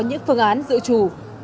những phương án dự trù